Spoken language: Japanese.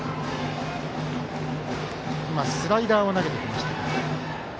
スライダーを投げてきました。